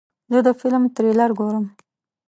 زه د فلم تریلر ګورم.